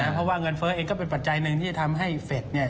เพราะว่าเงินเฟ้อเองก็เป็นปัจจัยหนึ่งที่จะทำให้เฟสเนี่ย